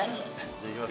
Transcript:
じゃあいきます